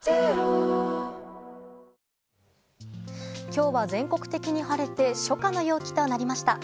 今日は全国的に晴れて初夏の陽気となりました。